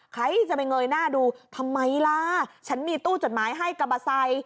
ใครจะไปเงยหน้าดูทำไมล่ะฉันมีตู้จดหมายให้กับมอเตอร์ไซค์